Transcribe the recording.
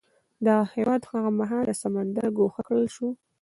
دغه هېواد هغه مهال له سمندره ګوښه کړل شو.